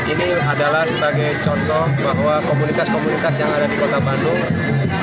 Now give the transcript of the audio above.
ini adalah sebagai contoh bahwa komunitas komunitas yang ada di kota bandung